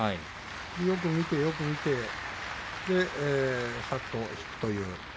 よく見て、よく見てさっと引くという。